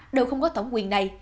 đều không có thẩm quyền này